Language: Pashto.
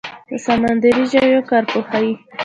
د سمندري ژویو کارپوهې